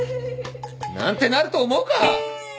なんてなると思うか！